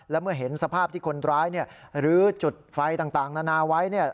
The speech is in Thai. แล้วเมื่อเห็นสภาพที่คนร้ายหรือจุดไฟต่างนานาไว้